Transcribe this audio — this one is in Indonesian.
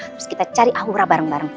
terus kita cari aura bareng bareng